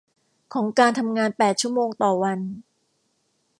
ของการทำงานแปดชั่วโมงต่อวัน